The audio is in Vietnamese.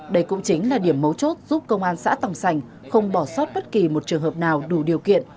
đây cũng chính là điểm mấu chốt giúp công an xã tòng sành không bỏ sót bất kỳ một trường hợp nào đủ điều kiện